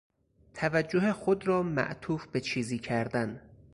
توجه خود را معطوف به چیزی کردن